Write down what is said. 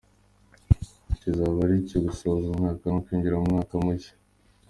kizaba ari icyo gusoza umwaka no kwinjira mu mwaka mushya.